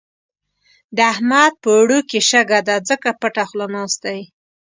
د احمد په اوړو کې شګه ده؛ ځکه پټه خوله ناست دی.